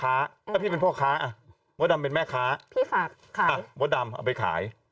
เอางี้พี่อธิบายง่าย